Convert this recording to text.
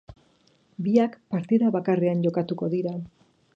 Biak partida bakarrean jokatuko dira.